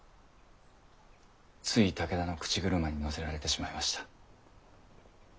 つい武田の口車に乗せられてしまいました。